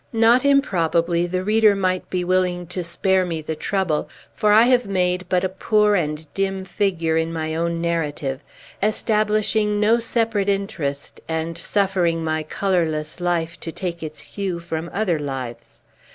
Not improbably, the reader might be willing to spare me the trouble; for I have made but a poor and dim figure in my own narrative, establishing no separate interest, and suffering my colorless life to take its hue from other lives.